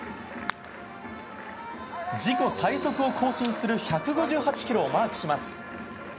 自己最速を更新する１５８キロをマークします。